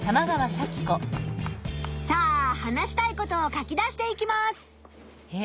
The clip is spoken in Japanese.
さあ話したいことを書き出していきます。